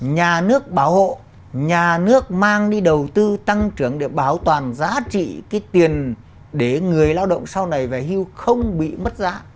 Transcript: nhà nước bảo hộ nhà nước mang đi đầu tư tăng trưởng để bảo toàn giá trị cái tiền để người lao động sau này về hưu không bị mất giá